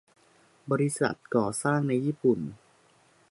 บริษัทก่อสร้างในญี่ปุ่น